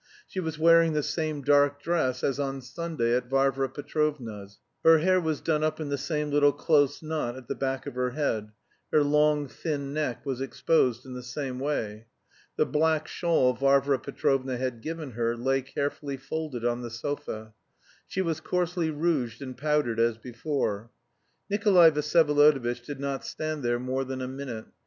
She was wearing the same dark dress as on Sunday at Varvara Petrovna's. Her hair was done up in the same little close knot at the back of her head; her long thin neck was exposed in the same way. The black shawl Varvara Petrovna had given her lay carefully folded on the sofa. She was coarsely rouged and powdered as before. Nikolay Vsyevolodovitch did not stand there more than a minute.